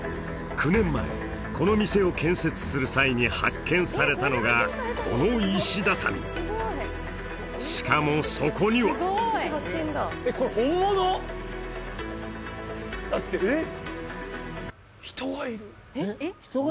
９年前この店を建設する際に発見されたのがこの石畳しかもそこにはだってえっ？